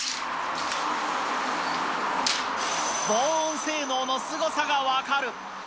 防音性能のすごさが分かる。